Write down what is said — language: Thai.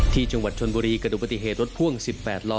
ที่จังหวัดชนบุรีกระดูกปฏิเหตุรถพ่วง๑๘ล้อ